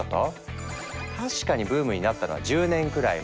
確かにブームになったのは１０年くらい前。